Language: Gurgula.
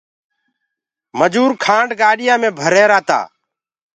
مجوٚر کآنڊ گاڏيآنٚ مي ڀر رهيرآ تآ۔